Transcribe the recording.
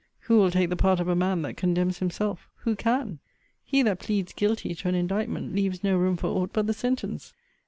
Who will take the part of a man that condemns himself? Who can? He that pleads guilty to an indictment, leaves no room for aught but the sentence.